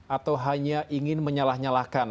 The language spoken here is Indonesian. atau hanya ingin menyalah nyalahkan